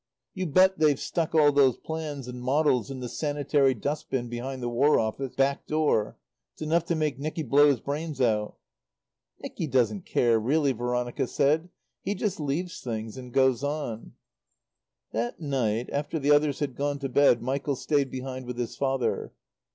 "You bet they've stuck all those plans and models in the sanitary dust bin behind the War Office back door. It's enough to make Nicky blow his brains out." "Nicky doesn't care, really," Veronica said. "He just leaves things and goes on." That night, after the others had gone to bed, Michael stayed behind with his father.